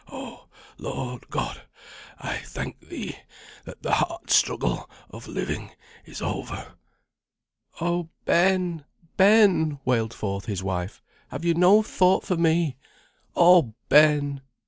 "Oh Lord God! I thank thee, that the hard struggle of living is over." "Oh, Ben! Ben!" wailed forth his wife, "have you no thought for me? Oh, Ben!